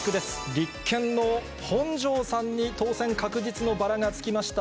立憲の本庄さんに当選確実のバラがつきました。